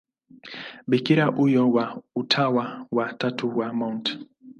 Bikira huyo wa Utawa wa Tatu wa Mt.